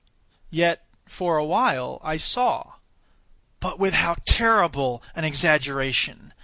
Yet, for a while, I saw—but with how terrible an exaggeration!